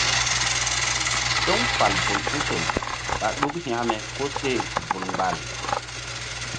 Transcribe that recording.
Toŋ fal bolkusol ɓá ɗuk hȩkme koseh vul mgbal.